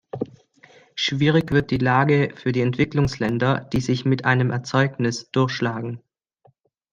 Schwierig wird die Lage für die Entwicklungsländer, die sich mit einem Erzeugnis durchschlagen.